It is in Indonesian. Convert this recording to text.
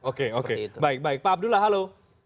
oke oke baik baik pak abdullah halo